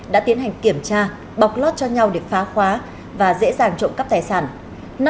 đã tiến hành kiểm tra bọc lót cho nhau để phá khóa và dễ dàng trộm cắp tài sản